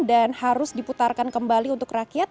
dan harus diputarkan kembali untuk rakyat